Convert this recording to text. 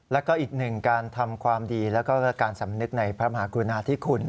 แล้วก็อีกหนึ่งการทำความดีแล้วก็การสำนึกในพระมหากรุณาธิคุณ